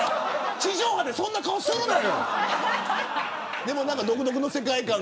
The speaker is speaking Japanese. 地上波でそんな顔するなよ。